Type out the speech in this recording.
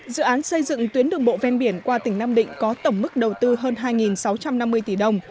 dự án xây dựng tuyến đường bộ ven biển qua tỉnh nam định có tổng mức đầu tư hơn hai sáu trăm năm mươi tỷ đồng